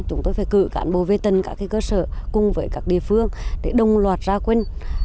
chúng tôi phải cử cán bộ về tân các cơ sở cùng với các địa phương để đồng loạt ra quân